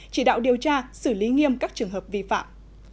chỉ đạo điều tra xử lý nghiêm các trường hợp vi phạm